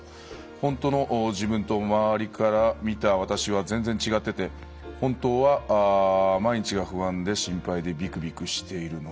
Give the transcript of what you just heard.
ほんとの自分と周りからみた私は全然違ってて本当は毎日が不安で心配でビクビクしてるのに」というね。